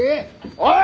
おい！